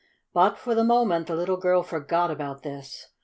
But, for the moment, the little girl forgot about this.